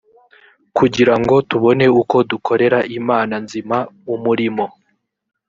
kugira ngo tubone uko dukorera imana nzima umurimo